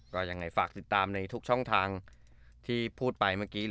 ก็ยังไงฝากติดตามในทุกช่องทางที่พูดไปเมื่อกี้